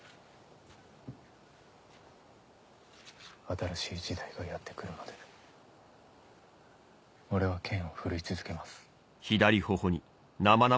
新しい時代がやって来るまで俺は剣を振るい続けます。